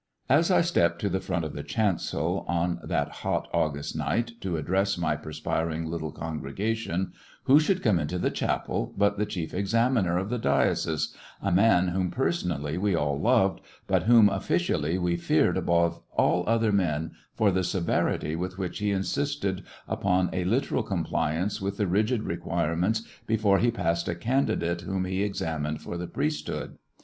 As I stepped to the front of the chancel^ on A disconcirt that hot August night, to address my perspir ^^* ing little congregation, who should come into the chapel but the chief examiner of the dio cese, a man whom personally we all loved, but whom officially we feared above all other men for the severity with which he insisted upon a literal compliance with the rigid re quirements before he passed a candidate whom he examined for the priesthood.